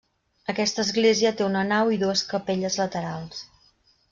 Aquesta església té una nau i dues capelles laterals.